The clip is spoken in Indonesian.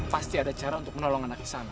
pasti ada cara untuk menolong anak ke sana